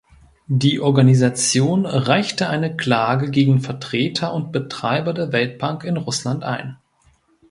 Die Organisation reichte eine Klage gegen Vertreter und Betreiber der Weltbank in Russland ein.